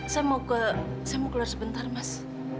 saya mau keluar sebentar mas